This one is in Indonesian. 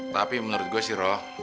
tapi menurut gue sih roh